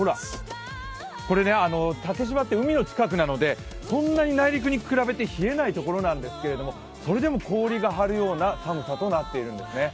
これ、竹芝って海の近くなのでそんなに内陸に比べて冷えないところなんですけれども、それでも氷が張るような寒さとなっているんですね。